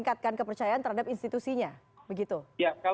jadi sudah tentu saja pak tirudin bisa dilakukan